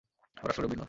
ওর আসল রূপ ভিন্ন।